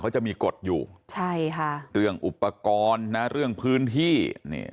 เขาจะมีกฎอยู่ใช่ค่ะเรื่องอุปกรณ์นะเรื่องพื้นที่นี่